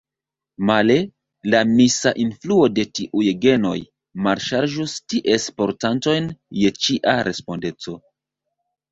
Male: la misa influo de tiuj genoj malŝarĝus ties portantojn je ĉia respondeco!